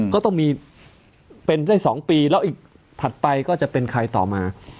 ก็ต้องมีเป็นได้๒ปีแล้วอีกถัดไปก็จะเป็นใครต่อมา